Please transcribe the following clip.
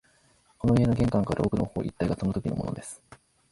この家の玄関から奥の方一帯がそのときのものです